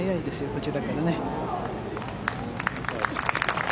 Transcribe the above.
こちらからね。